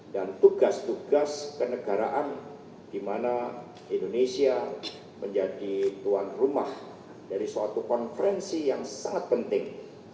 dan tugas tugas kenegaraan di mana indonesia menjadi tuan rumah dari suatu konferensi yang sangat penting